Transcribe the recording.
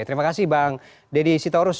terima kasih bang deddy sitorus